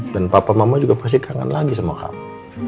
dan papa mama juga pasti kangen lagi sama kamu